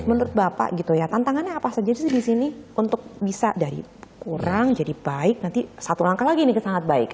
menurut bapak tantangannya apa saja disini untuk bisa dari kurang jadi baik nanti satu langkah lagi ini sangat baik